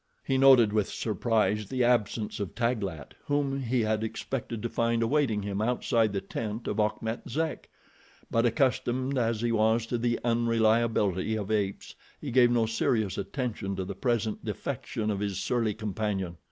He noted with surprise the absence of Taglat, whom he had expected to find awaiting him outside the tent of Achmet Zek; but, accustomed as he was to the unreliability of apes, he gave no serious attention to the present defection of his surly companion.